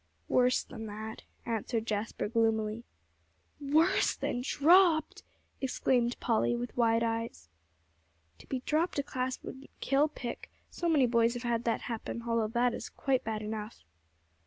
"Worse than that," answered Jasper gloomily. "Worse than dropped!" exclaimed Polly with wide eyes. "To be dropped a class wouldn't kill Pick; so many boys have had that happen, although it is quite bad enough."